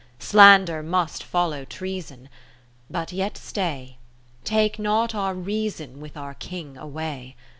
Slander must follow Treason ; but yet stay. Take not our reason with our King away.